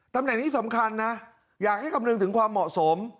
ตำแหน่งนี้สำคัญนะอยากให้คำนึงถึงความเหมาะสม